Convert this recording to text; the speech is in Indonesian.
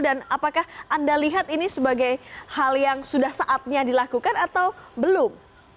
dan apakah anda lihat ini sebagai hal yang sudah saatnya dilakukan atau belum